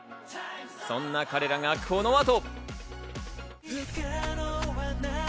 そんな彼らがこの後。